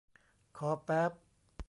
คอแป๊บ